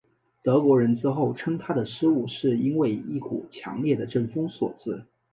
德国人之后称他的失误是因为一股强烈的阵风所致。